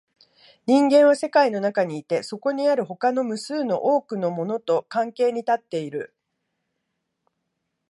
人間は世界の中にいて、そこにある他の無数の多くのものと関係に立っている。